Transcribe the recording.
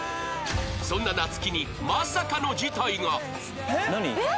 そんな夏希にまさかの事態が！